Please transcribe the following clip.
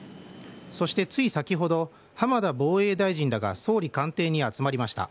そしてつい先ほど浜田防衛大臣らが総理官邸に集まりました。